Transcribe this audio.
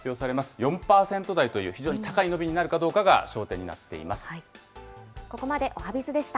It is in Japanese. ４％台という、非常に高い伸びになるかどうかが焦点になっています。